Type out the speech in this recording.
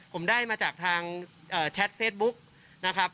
ผมได้มาจากทางแชทเฟซบุ๊กนะครับ